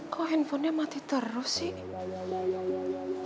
kok handphonenya mati terus sih